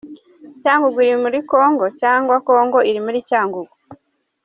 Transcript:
Cyangugu iri muri Congo, cyangwa Congo iri muri Cyangugu ?.